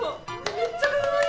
・めっちゃかわいい。